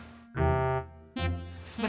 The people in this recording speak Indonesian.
bentar mang lagi tidur